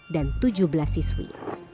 dan tujuh belas siswi